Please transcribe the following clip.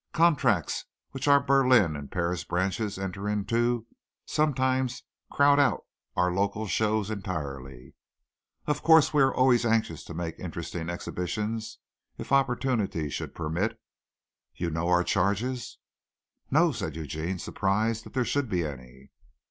Contracts, which our Berlin and Paris branches enter into, sometimes crowd out our local shows entirely. Of course, we are always anxious to make interesting exhibitions if opportunity should permit. You know our charges?" "No," said Eugene, surprised that there should be any.